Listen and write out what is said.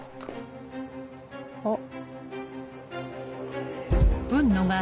あっ。